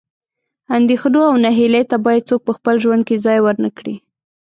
اندېښنو او نهیلۍ ته باید څوک په خپل ژوند کې ځای ورنه کړي.